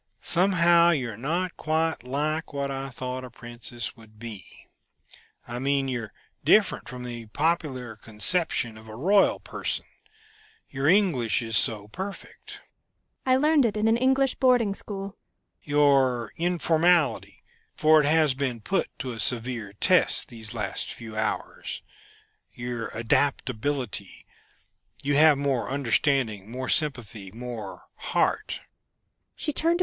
Somehow you are not quite like what I thought a princess would be.... I mean, you're different from the popular conception of a royal person. Your English is so perfect." "I learned it in an English boarding school." "Your informality for it has been put to a severe test these last few hours, your adaptability, you have more understanding, more sympathy, more heart."